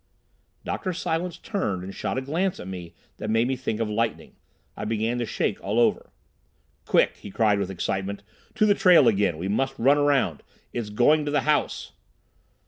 Dr. Silence turned and shot a glance at me that made me think of lightning. I began to shake all over. "Quick!" he cried with excitement, "to the trail again! We must run around. It's going to the house!"